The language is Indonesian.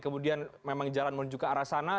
kemudian memang jalan menuju ke arah sana